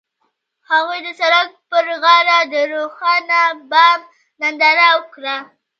هغوی د سړک پر غاړه د روښانه بام ننداره وکړه.